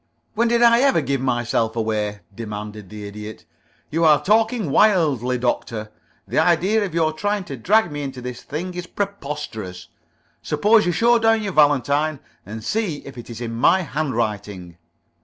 "When did I ever give myself away?" demanded the Idiot. "You are talking wildly, Doctor. The idea of your trying to drag me into this thing is preposterous. Suppose you show down your valentine and see if it is in my handwriting."